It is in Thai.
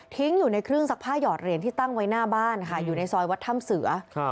อยู่ในเครื่องซักผ้าหยอดเหรียญที่ตั้งไว้หน้าบ้านค่ะอยู่ในซอยวัดถ้ำเสือ